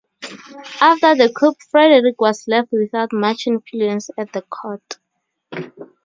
After the coup, Frederick was left without much influence at the court.